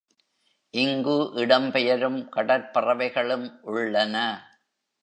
இங்கு இடம் பெயரும் கடற்பறவைகளும் உள்ளன.